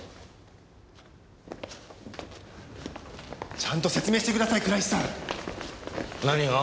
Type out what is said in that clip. ちゃんと説明してください倉石さん。何が？